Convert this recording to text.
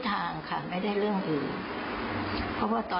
แต่แม่ว่าไม่ได้มาอธิษฐานเรื่องของท็อปนะคะ